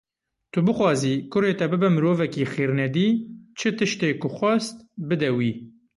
Tu bixwazî kurê te bibe mirovekî xêrnedî, çi tiştê ku xwast, bide wî.